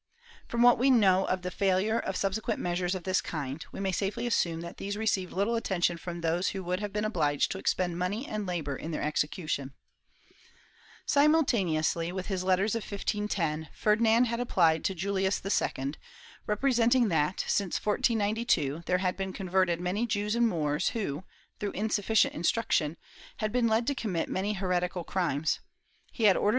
From what we know of the failure of subsequent measures of this kind we may safely assume that these received little attention from those who would have been obliged to expend money and labor in their execution. Simultaneously with his letters of 1510, Ferdinand had applied to Julius II, representing that, since 1492, there had been converted many Jews and Moors who, through insufficient instruction, had been led to commit many heretical crimes; he had ordered their * Gomesii de Rebus gestis Lib.